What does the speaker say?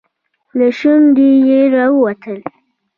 له شونډو يې راووتل.